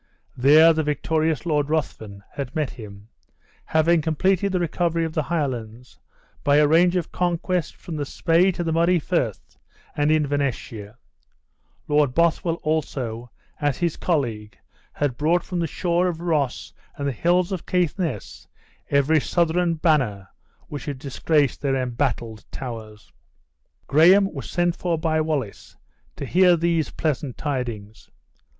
There the victorious Lord Ruthven had met him, having completed the recovery of the Highlands, by a range of conquests from the Spey to the Murray frith and Inverness shire. Lord Bothwell, also, as his colleague, had brought from the shore of Ross and the hills of Caithness, every Southron banner which had disgraced their embattled towers. Graham was sent for by Wallace to hear these pleasant tidings.